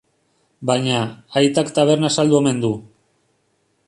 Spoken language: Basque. Baina, aitak taberna saldu omen du.